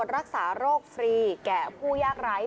รักษาโรคฟรีแก่ผู้ยากไร้